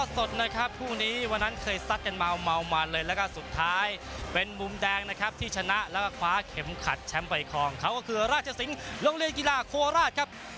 สุดท้ายเป็นมุมแดงนะครับที่ชนะแล้วก็คว้าเข็มขัดแชมป์ไปครองเขาก็คือราชสิงห์โรงเรียนกีฬาโคราชครับ